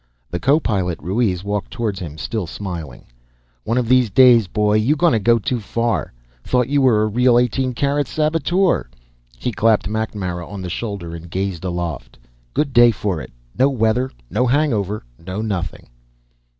The co pilot, Ruiz, walked toward him, still smiling. "One of these days, boy, you gonna go too far. Thought you were a real, eighteen carat saboteur." He clapped MacNamara on the shoulder and gazed aloft. "Good day for it. No weather, no hangover, no nothing."